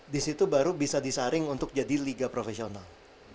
disitu baru bisa disaring untuk jadi liga profesional